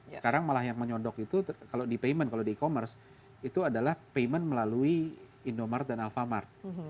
sekarang malah yang menyondok itu kalau di e commerce itu adalah payment melalui indomarkt dan alfamarkt